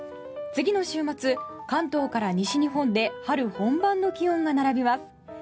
次の週末、関東から西日本で春本番の気温が並びます。